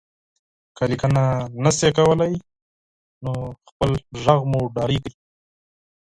که ليکنه نشئ کولی، نو خپل غږ مو ډالۍ کړئ.